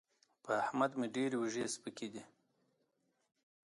په احمد مې ډېرې اوږې سپکې دي.